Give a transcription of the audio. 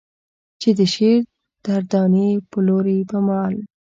چې د شعر در دانې پلورې په مال.